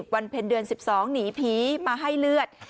วันเพ็ญเดือน๑๒หนีผีมาให้เลือด